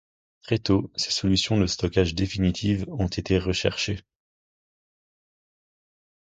Très tôt ces solutions de stockage définitives ont été recherchées.